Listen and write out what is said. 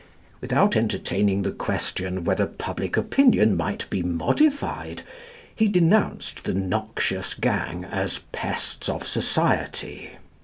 Without entertaining the question whether public opinion might be modified, he denounced the noxious gang as pests of society.